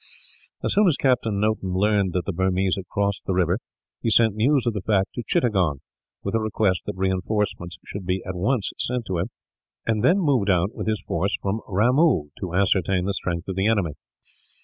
As soon as Captain Noton learned that the Burmese had crossed the river, he sent news of the fact to Chittagong, with a request that reinforcements should be at once sent to him; and then moved out with his force from Ramoo, to ascertain the strength of the enemy.